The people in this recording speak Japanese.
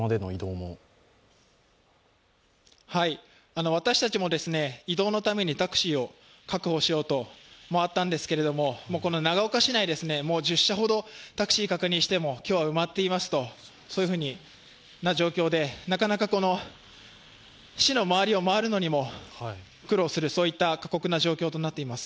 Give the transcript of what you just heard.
はい、私たちも移動のためにタクシーを確保しようと回ったんですけどこの長岡市内、１０社ほどタクシーを確認しても埋まっていますとそういうふうな状況で、なかなか市の周りを回るのにも苦労する、そういった過酷な状況となっています。